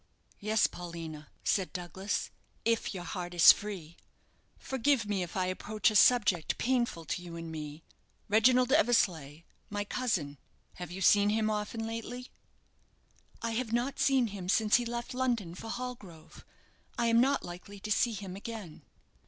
"Yes, Paulina," said Douglas, "if your heart is free. Forgive me if I approach a subject painful to you and to me. Reginald Eversleigh my cousin have you seen him often lately?" "I have not seen him since he left London for Hallgrove. I am not likely to see him again."